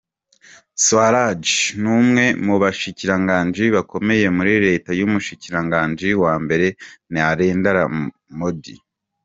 Swaraj n’umwe mu bashikiranganji bakomeye muri reta y’umushikiranganji wa mbere Narendra Modi.